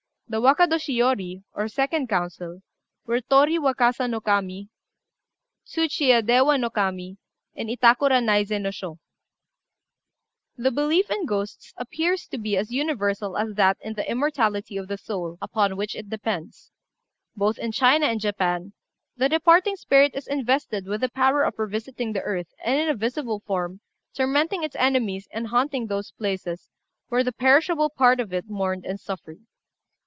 The Wakadoshiyôri (or 2d council) were Torii Wakasa no Kami, Tsuchiya Dewa no Kami, and Itakura Naizen no Sho. The belief in ghosts appears to be as universal as that in the immortality of the soul, upon which it depends. Both in China and Japan the departed spirit is invested with the power of revisiting the earth, and, in a visible form, tormenting its enemies and haunting those places where the perishable part of it mourned and suffered.